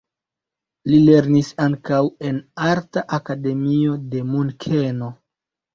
Li lernis ankaŭ en arta akademio de Munkeno.